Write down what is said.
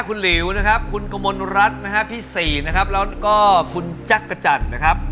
คุณหลิวนะครับคุณกมลรัฐนะฮะพี่สี่นะครับแล้วก็คุณจักรจันทร์นะครับ